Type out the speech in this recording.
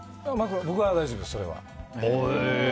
僕は大丈夫です、それは。